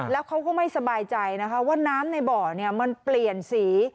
แล้วเขาก็ไม่สบายใจนะคะว่าน้ำในบ่อมันเปลี่ยนสี